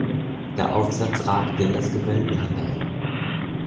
Der Aufsatz ragte in das Gewölbe hinein.